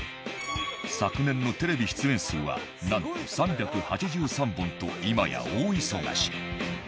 昨年のテレビ出演数はなんと３８３本と今や大忙し。